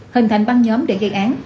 hình thành băng nhóm để gây án